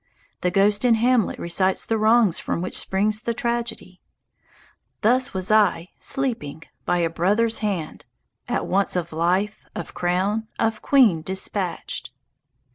The ghost in "Hamlet" recites the wrongs from which springs the tragedy: Thus was I, sleeping, by a brother's hand. At once of life, of crown, of queen dispatch'd.